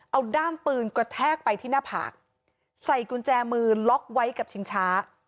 เอาด้ามปืนกระแทกไปที่หน้าผากใส่กุญแจมือล็อกไว้กับชิงช้า